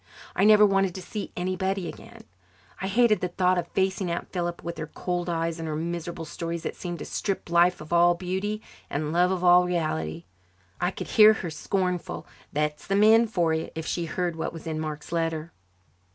I never wanted to see anybody again. I hated the thought of facing Aunt Philippa with her cold eyes and her miserable stories that seemed to strip life of all beauty and love of all reality. I could hear her scornful, "That's the men for you," if she heard what was in Mark's letter.